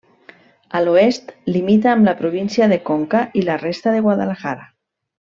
A l'oest limita amb la província de Conca i la resta de Guadalajara.